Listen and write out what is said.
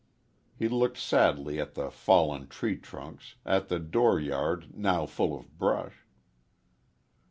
He looked sadly at the fallen tree trunks at the door yard, now full of brush.